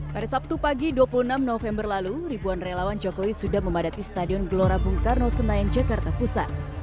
pada sabtu pagi dua puluh enam november lalu ribuan relawan jokowi sudah memadati stadion gelora bung karno senayan jakarta pusat